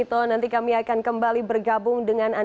terima kasih pak